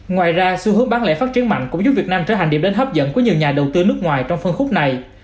ngoài ra xu hướng bán lẻ phát triển mạnh cũng giúp việt nam trở thành điểm đến hấp dẫn của nhiều nhà đầu tư nước ngoài trong phân khúc này